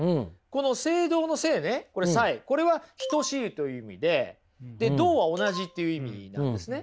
この「斉同」の「斉」ねこれは等しいという意味でで「同」は同じっていう意味なんですね。